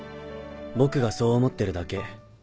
僕がそう思ってるだけ。